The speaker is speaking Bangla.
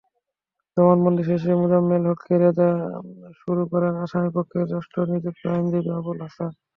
জবানবন্দি শেষে মোজাম্মেল হককে জেরা শুরু করেন আসামিপক্ষে রাষ্ট্রনিযুক্ত আইনজীবী আবুল হাসান।